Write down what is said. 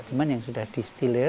cuman yang sudah distilir